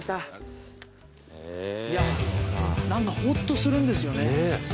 いや何かほっとするんですよね。